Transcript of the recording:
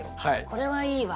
これはいいわ。